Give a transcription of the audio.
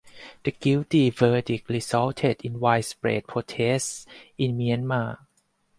The guilty verdict resulted in widespread protests in Myanmar.